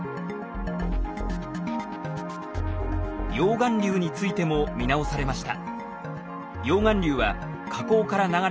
溶岩流についても見直されました。